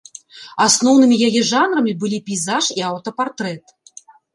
Асноўнымі яе жанрамі былі пейзаж і аўтапартрэт.